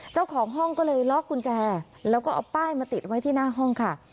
เจ้าของห้องก็เลยล็อกกุญแจแล้วก็เอาป้ายมาติดไว้ที่หน้าห้องค่ะ